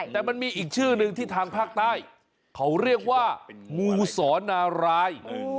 แต่มันมีอีกชื่อหนึ่งที่ทางภาคใต้เขาเรียกว่างูสอนนาราย